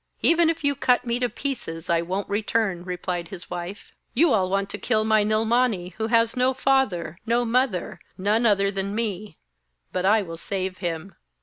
'Even if you cut me to pieces, I won't return,' replied his wife. 'You all want to kill my Nilmani, who has no father, no mother, none other than me, but I will save him.'